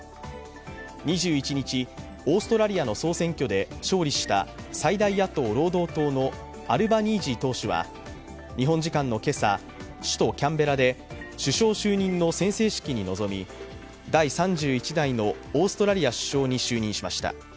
２１日、オーストラリアの総選挙で勝利した最大野党・労働党のアルバニージー党首は日本時間の今朝首都・キャンベラで首相就任の宣誓式に臨み、第３１代のオーストラリア首相に就任しました。